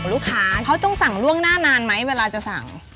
ลูกค้าเขาต้องสั่งล่วงหน้านานไหมเวลาจะสั่ง